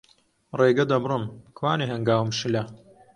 ڕێگە دەبڕم، کوانێ هەنگاوم شلە